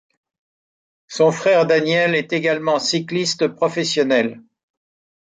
Son frère Daniel est également cycliste professionnel.